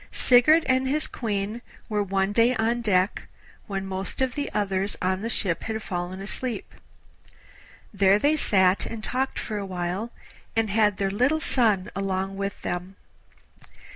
Sigurd and his Queen were one day on deck, when most of the others on the ship had fallen asleep. There they sat and talked for a while, and had their little son along with them.